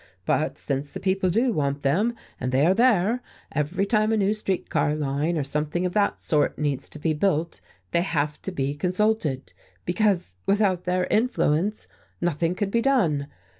But since the people do want them, and they are there, every time a new street car line or something of that sort needs to be built they have to be consulted, because, without their influence nothing could be done.